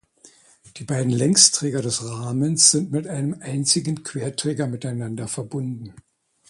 Die beiden Längsträger des Rahmens sind mit einem einzigen Querträger miteinander verbunden.